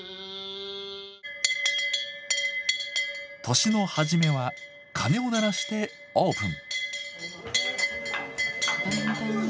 年の初めは鐘を鳴らしてオープン。